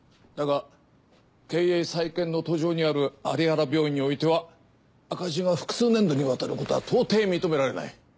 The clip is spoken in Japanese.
だが経営再建の途上にある有原病院においては赤字が複数年度にわたることは到底認められない。